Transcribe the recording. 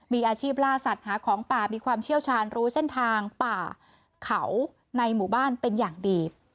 มีอาชีพล่าสัตว์หาของป่ามีความเชี่ยวชาญรู้เส้นทางป่าเขาในหมู่บ้านเป็นอย่างดี